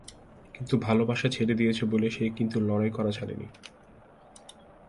কিন্তু ভালোবাসা ছেড়ে দিয়েছে বলে, সে কিন্তু লড়াই করা ছাড়েনি।